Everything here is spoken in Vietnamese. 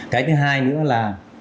cái thứ hai nữa là